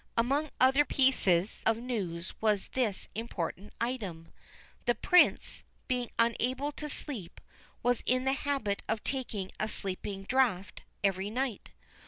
Among other pieces of news was this important item : the Prince, being unable to sleep, was in the habit of taking a sleeping draught every night.